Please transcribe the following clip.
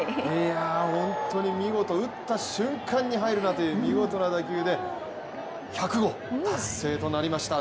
本当に見事打った瞬間に入るなという見事な打球で１００号達成となりました。